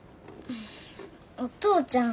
お父ちゃん